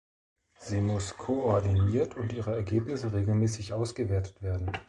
Sie muss koordiniert und ihre Ergebnisse regelmäßig ausgewertet werden.